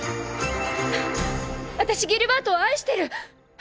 あたしギルバートを愛してる！